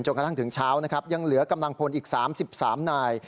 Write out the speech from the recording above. กระทั่งถึงเช้านะครับยังเหลือกำลังพลอีก๓๓นาย